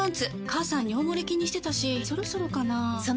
母さん尿モレ気にしてたしそろそろかな菊池）